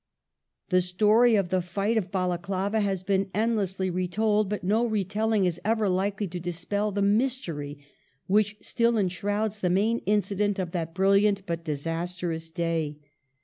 The story of the fight of Balaclava has been endlessly retold, but no retelling is ever likely to dispel the mystery which still enshrouds the main incident of that brilliant but disastrous day.